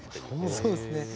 そうですね。